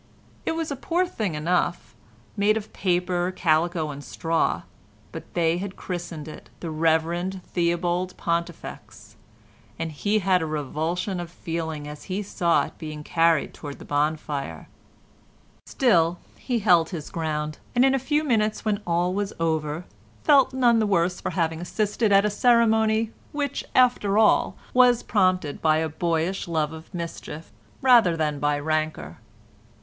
It was a poor thing enough, made of paper, calico and straw, but they had christened it The Rev. Theobald Pontifex, and he had a revulsion of feeling as he saw it being carried towards the bonfire. Still he held his ground, and in a few minutes when all was over felt none the worse for having assisted at a ceremony which, after all, was prompted by a boyish love of mischief rather than by rancour.